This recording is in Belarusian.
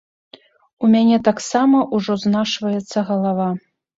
У мяне таксама ўжо знашваецца галава.